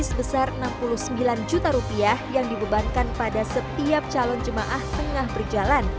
sebesar enam puluh sembilan juta rupiah yang dibebankan pada setiap calon jemaah tengah berjalan